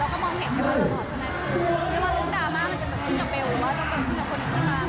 แล้วมองเห็นกันมาตลอดฉะนั้น